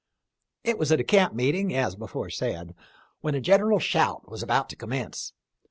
It was at a camp meeting, as before said, when a general shout was about to commence.